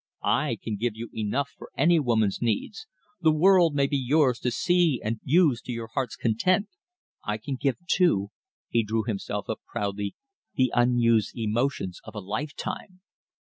I can give you enough for any woman's needs the world may be yours to see and use to your heart's content. I can give, too" he drew himself up proudly "the unused emotions of a lifetime."